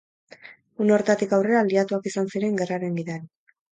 Une horretatik aurrera, aliatuak izan ziren gerraren gidari.